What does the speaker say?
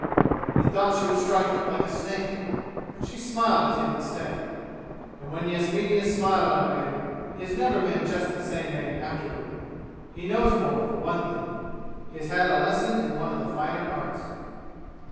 He thought she would strike like a snake, but she smiled at him instead. And when Yasmini has smiled on a man he has never been just the same man afterward. He knows more, for one thing. He has had a lesson in one of the finer arts.